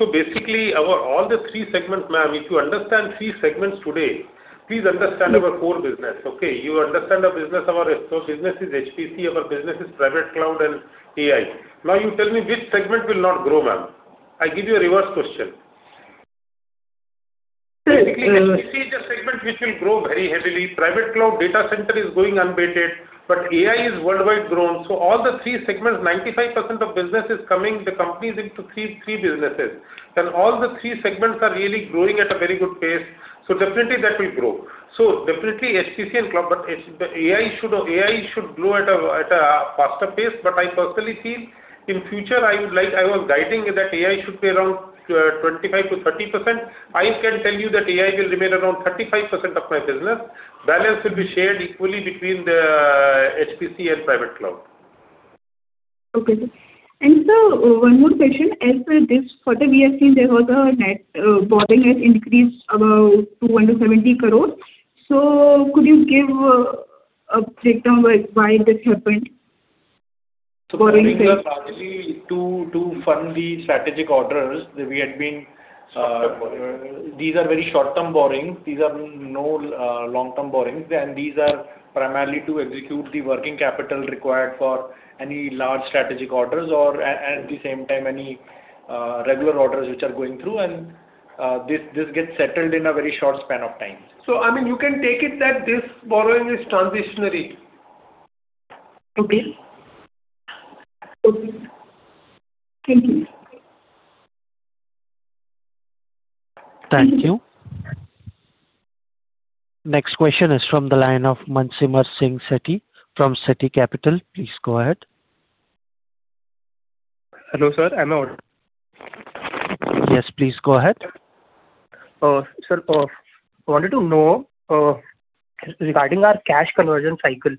Basically our all the three segments, ma'am, if you understand three segments today, please understand our core business, okay? You understand our business, our core business is HPC, our business is private cloud and AI. You tell me which segment will not grow, ma'am. I give you a reverse question. HPC is a segment which will grow very heavily. Private cloud data center is growing unabated, but AI is worldwide grown. All the three segments, 95% of business is coming, the company is into three businesses. All the three segments are really growing at a very good pace. Definitely that will grow. Definitely HPC and cloud, but AI should grow at a faster pace. I personally feel in future I was guiding that AI should be around 25%-30%. I can tell you that AI will remain around 35% of my business. Balance will be shared equally between the HPC and private cloud. Okay, sir. Sir, one more question. As per this quarter, we are seeing there was a net borrowing has increased about to 170 crore. Could you give a breakdown like why this happened? Basically to fund the strategic orders, we had been. These are very short-term borrowings. These are no long-term borrowings. These are primarily to execute the working capital required for any large strategic orders or at the same time, any regular orders which are going through. This gets settled in a very short span of time. I mean, you can take it that this borrowing is transitionary. Okay. Okay. Thank you. Thank you. Next question is from the line of Mansimer Singh Sethi from Sethi Capital. Please go ahead. Hello, sir. Yes, please go ahead. Sir wanted to know regarding our cash conversion cycle,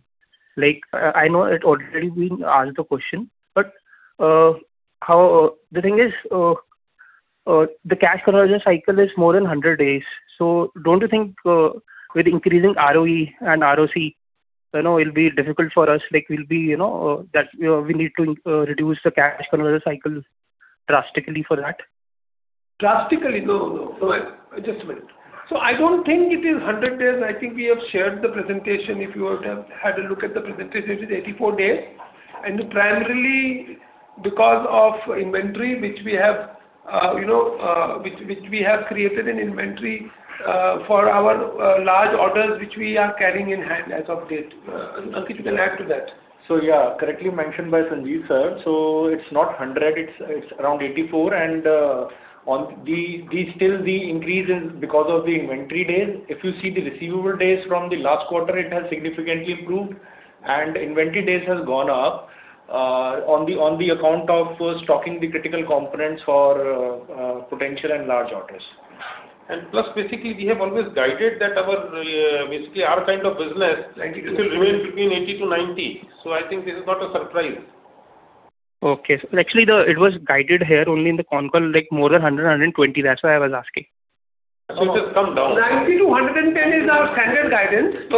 like, I know it already been asked the question. The thing is, the cash conversion cycle is more than 100 days. So don't you think, with increasing ROE and ROC, you know, it'll be difficult for us, like we'll be, you know, that we need to reduce the cash conversion cycle drastically for that? Drastically? No, no. No. Just a minute. I don't think it is 100 days. I think we have shared the presentation. If you would have had a look at the presentation, it is 84 days. Primarily because of inventory, which we have, you know, which we have created an inventory for our large orders which we are carrying in hand as of date. Ankit, you can add to that. Yeah, correctly mentioned by Sanjeev, sir. It's not 100, it's around 84. Still the increase is because of the inventory days. If you see the receivable days from the last quarter, it has significantly improved, and inventory days has gone up on the account of stocking the critical components for potential and large orders. Plus, basically, we have always guided that our, basically our kind of business. 90%. It will remain between 80-90. I think this is not a surprise. Okay. Actually, it was guided here only in the con call, like more than 120. That's why I was asking. It has come down. 90-110 is our standard guidance.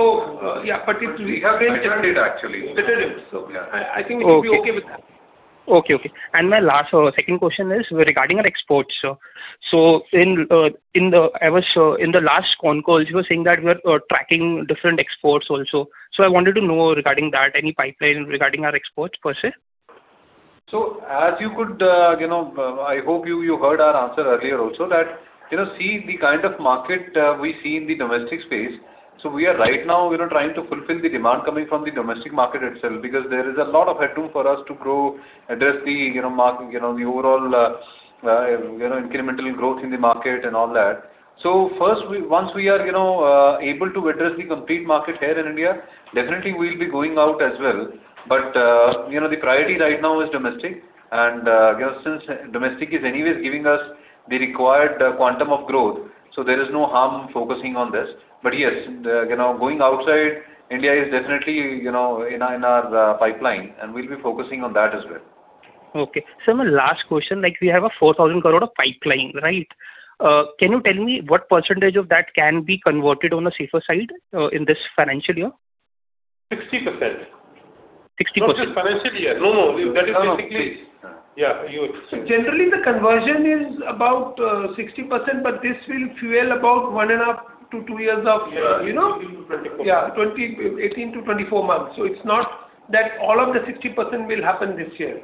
Yeah, but. We have maintained it actually. Maintained it. Yeah. I think we'll be okay with that. Okay. Okay. My last second question is regarding our exports, sir. In the last con call, you were saying that we are tracking different exports also. I wanted to know regarding that, any pipeline regarding our exports per se. As you could, you know, I hope you heard our answer earlier also that, you know, see the kind of market we see in the domestic space. We are right now, you know, trying to fulfill the demand coming from the domestic market itself because there is a lot of headroom for us to grow, address the, you know, the overall incremental growth in the market and all that. First, once we are, you know, able to address the complete market here in India, definitely we'll be going out as well. The priority right now is domestic. You know, since domestic is anyways giving us the required quantum of growth, so there is no harm focusing on this. Yes, you know, going outside India is definitely, you know, in our, in our, pipeline, and we'll be focusing on that as well. Okay. Sir, my last question, like we have a 4,000 crore of pipeline, right? Can you tell me what % of that can be converted on a safer side in this financial year? 60%. 60%. Not this financial year. No, no. That is basically. Please. Yeah. Generally the conversion is about 60%, but this will fuel about 1.5 to 2 years of, you know. Yeah, 18-24 months. It's not that all of the 60% will happen this year.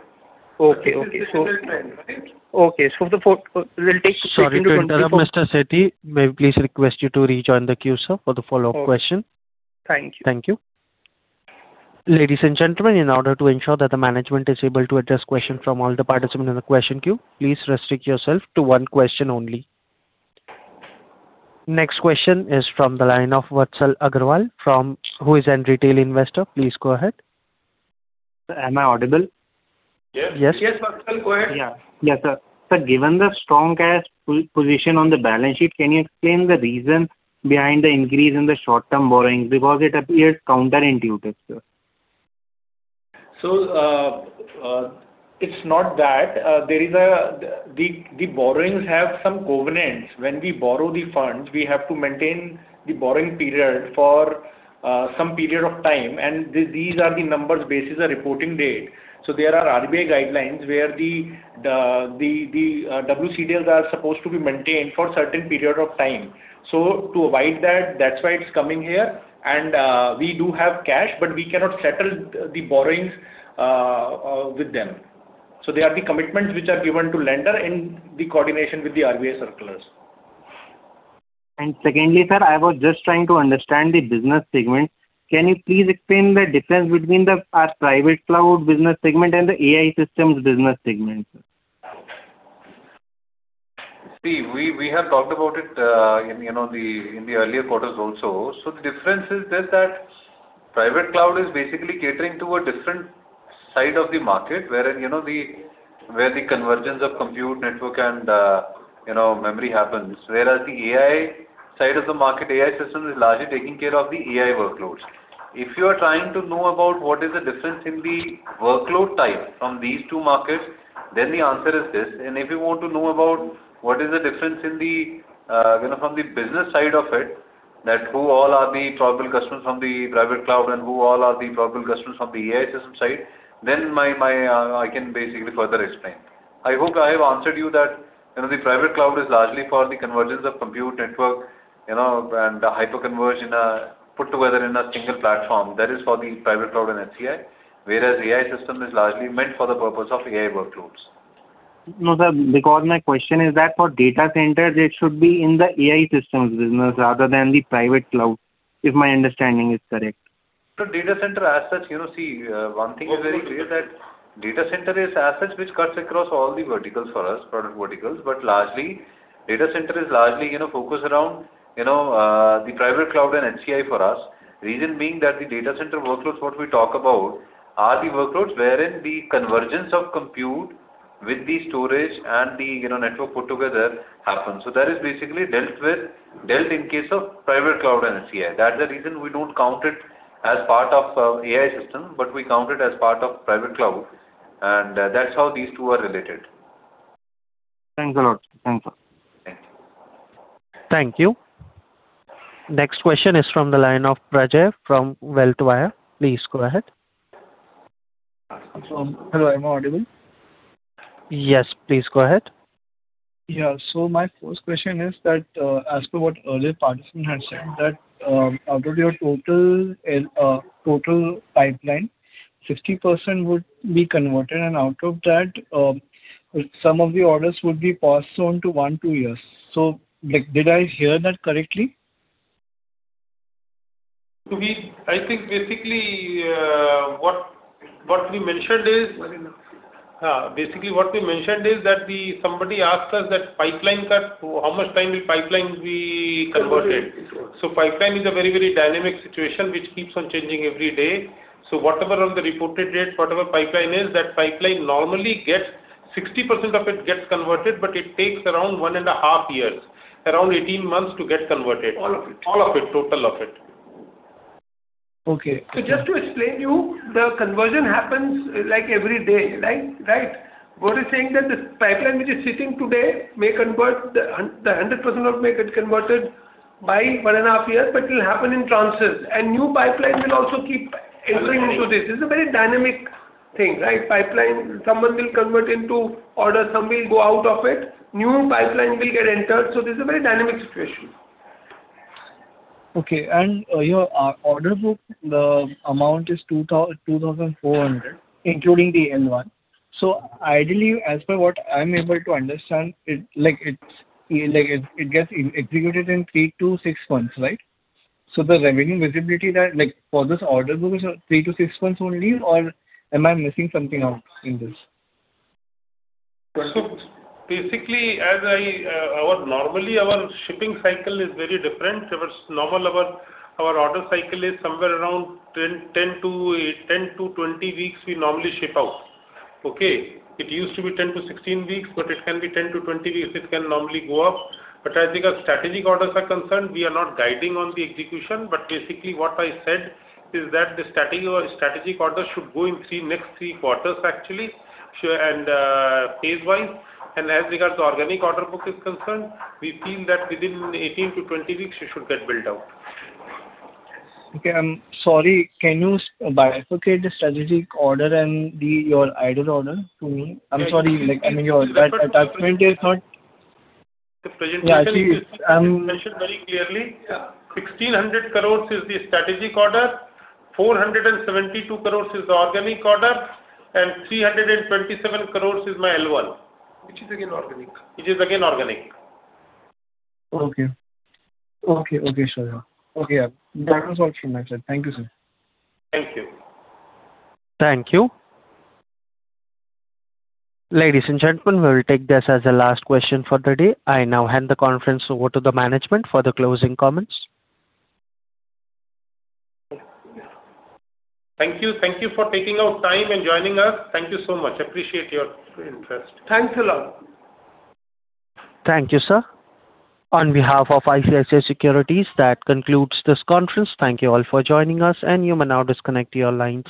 Okay. Okay. It is a different trend, right? Okay. it will take 18 to 24- Sorry to interrupt, Mr. Sethi. May we please request you to rejoin the queue, sir, for the follow-up question. Okay. Thank you. Thank you. Ladies and gentlemen, in order to ensure that the management is able to address questions from all the participants in the question queue, please restrict yourself to one question only. Next question is from the line of Vatsal Agarwal from... who is a retail investor. Please go ahead. Am I audible? Yes. Yes. Yes, Vatsal, go ahead. Yeah. Yes, sir. Sir, given the strong cash position on the balance sheet, can you explain the reason behind the increase in the short-term borrowings? It appears counterintuitive, sir. It's not that. The borrowings have some covenants. When we borrow the funds, we have to maintain the borrowing period for some period of time, and these are the numbers basis our reporting date. There are RBI guidelines where the WCDLs are supposed to be maintained for a certain period of time. To abide that's why it's coming here. We do have cash, but we cannot settle the borrowings with them. They are the commitments which are given to lender in the coordination with the RBI circulars. Secondly, sir, I was just trying to understand the business segment. Can you please explain the difference between our Private Cloud business segment and the AI Systems business segment, sir? We have talked about it, in, you know, the, in the earlier quarters also. The difference is just that private cloud is basically catering to a different side of the market, wherein, you know, where the convergence of compute network and, you know, memory happens. The AI side of the market, AI Systems is largely taking care of the AI workloads. If you are trying to know about what is the difference in the workload type from these two markets, then the answer is this. If you want to know about what is the difference in the, you know, from the business side of it. Who all are the probable customers from the private cloud and who all are the probable customers from the AI system side, my I can basically further explain. I hope I have answered you that, you know, the private cloud is largely for the convergence of compute network, you know, and hyperconverge put together in a single platform. Is for the private cloud and HCI, whereas AI system is largely meant for the purpose of AI workloads. No, sir, because my question is that for data centers, it should be in the AI systems business rather than the private cloud, if my understanding is correct. Data center as such, you know, see, one thing is very clear that data center is as such which cuts across all the verticals for us, product verticals. Largely, data center is largely, you know, focused around, you know, the private cloud and HCI for us. Reason being that the data center workloads what we talk about are the workloads wherein the convergence of compute with the storage and the, you know, network put together happens. That is basically dealt with in case of private cloud and HCI. That's the reason we don't count it as part of AI system, but we count it as part of private cloud, and that's how these two are related. Thanks a lot. Thanks, sir. Thank you. Thank you. Next question is from the line of Prajay from Wealth Wire. Please go ahead. Hello, am I audible? Yes, please go ahead. Yeah. My first question is that, as per what earlier Sanjeev had said that, out of your total pipeline, 60% would be converted, and out of that, some of the orders would be postponed to 1-2 years. Did I hear that correctly? I think basically, what we mentioned is. Wait a minute. Basically what we mentioned is that somebody asked us that pipeline, that how much time will pipeline be converted. Converted. Pipeline is a very, very dynamic situation which keeps on changing every day. Whatever on the reported date, whatever pipeline is, that pipeline 60% of it gets converted, but it takes around one and a half years, around 18 months to get converted. All of it. All of it, total of it. Okay. Just to explain you, the conversion happens, like, every day, right? Right. What he's saying that this pipeline which is sitting today may convert the 100% of it may get converted by one and a half years, but it'll happen in tranches. New pipeline will also keep entering into this. This is a very dynamic thing, right? Pipeline, someone will convert into order, some will go out of it, new pipeline will get entered. This is a very dynamic situation. Okay. Your order book, the amount is 2,400, including the L1. Ideally, as per what I'm able to understand it, like it's, like it gets executed in three to six months, right? The revenue visibility that, like, for this order book is three to six months only, or am I missing something out in this? Basically, as I, normally, our shipping cycle is very different. Our normal order cycle is somewhere around 10 to 20 weeks we normally ship out. Okay. It used to be 10 to 16 weeks, but it can be 10 to 20 weeks. It can normally go up. As regards strategic orders are concerned, we are not guiding on the execution. Basically what I said is that the strategic order should go in three next three quarters actually. And phase-wise. As regards organic order book is concerned, we feel that within 18 to 20 weeks it should get built out. Okay. I am sorry. Can you bifurcate the strategic order and the, your idle order to me? I am sorry, like, I mean your. That document is not. The presentation. Yeah, I see. It's mentioned very clearly. Yeah. 1,600 crores is the strategic order, 472 crores is the organic order, 327 crores is my L1. Which is again organic. Which is again organic. Okay. Okay, sure. Yeah. Okay. Yeah. That was all from my side. Thank you, sir. Thank you. Thank you. Ladies and gentlemen, we will take this as the last question for the day. I now hand the conference over to the management for the closing comments. Thank you. Thank you for taking out time and joining us. Thank you so much. Appreciate your interest. Thanks a lot. Thank you, sir. On behalf of ICICI Securities, that concludes this conference. Thank you all for joining us, and you may now disconnect your line.